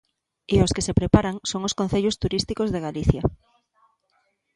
E os que se preparan son os concellos turísticos de Galicia.